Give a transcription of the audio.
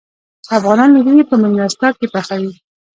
افغانان وریجې په میلمستیا کې پخوي.